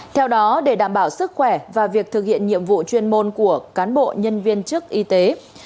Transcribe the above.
theo đó để đảm bảo sức khỏe và việc thực hiện nhiệm vụ chuyên môn của cán bộ nhân viên chức y tế